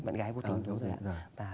bạn gái vô tính đúng rồi